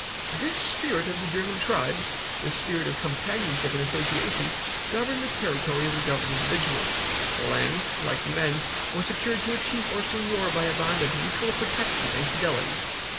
"This spirit of the German tribes this spirit of companionship and association governed the territory as it governed individuals. The lands, like the men, were secured to a chief or seignior by a bond of mutual protection and fidelity.